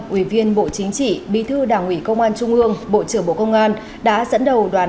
ủy viên bộ chính trị bí thư đảng ủy công an trung ương bộ trưởng bộ công an đã dẫn đầu đoàn